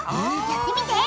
やってみて！